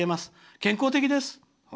健康的です。